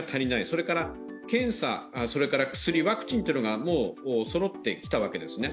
それから検査、薬、ワクチンというのがもうそろってきたわけですね。